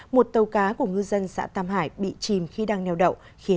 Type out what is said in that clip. một tàu cá của ngư dân xã tam hải bị chìm khi đang neo đậu